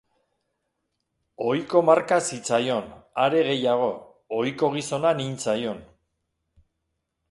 Ohiko marka zitzaion, are gehiago, ohiko gizona nintzaion.